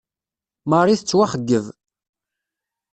Marie tettwaxeyyeb.